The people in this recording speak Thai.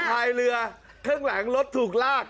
เครื่องหลังรถถูกลาก